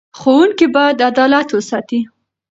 ښوونکي باید عدالت وساتي.